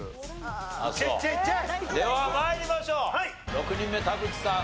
６人目田渕さん